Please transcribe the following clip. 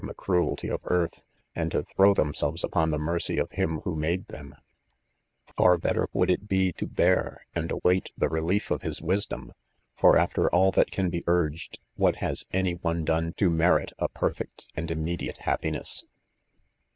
the cruelty of earth, and to throw themselves upoj. the mer cry of Him' who made them; far better would it be to. bear, and await the relief of hm wisdom; f.Ji after iOA ;.;.(■■...];. i! ■■:;''; ./hi.t hw: : :ij' one doiiu io merit a}:sr lest and immediate happiness?